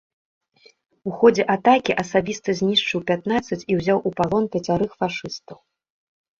У ходзе атакі асабіста знішчыў пятнаццаць і ўзяў у палон пяцярых фашыстаў.